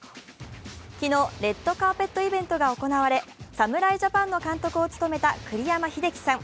昨日、レッドカーペットイベントが行われ侍ジャパンの監督を務めた栗山英樹さん